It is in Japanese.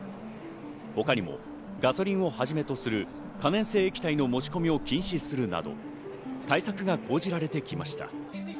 他にもガソリンをはじめとする可燃性液体の持ち込みを禁止するなど、対策が講じられてきました。